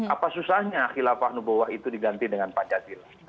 apa susahnya khilafah nubuah itu diganti dengan pancasila